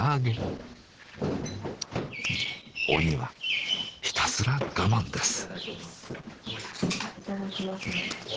鬼はひたすら我慢です。